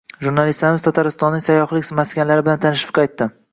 Jurnalistlarimiz Tataristonning sayyohlik maskanlari bilan tanishib qaytdi